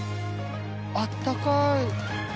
あったかい！